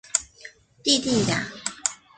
蒂蒂雅。